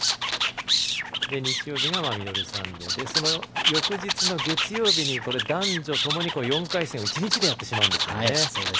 日曜日がミドルサンデーでその翌日の月曜日に男女ともに４回戦を１日でやってしまうんですよね。